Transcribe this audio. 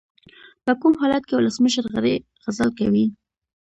په کوم حالت کې ولسمشر غړی عزل کوي؟